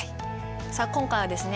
さあ今回はですね